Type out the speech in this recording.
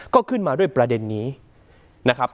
ก็ขึ้นมาด้วยประเด็นนี้นะครับ